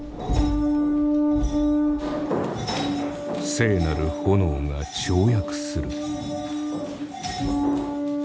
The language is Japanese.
聖なる炎が跳躍する。